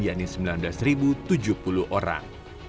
yakni sembilan belas tujuh puluh orang